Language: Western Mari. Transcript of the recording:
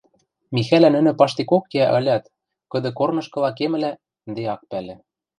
Михӓлӓ нӹнӹ паштекок кеӓ ылят, кыды корнышкыла кемӹлӓ, ӹнде ак пӓлӹ.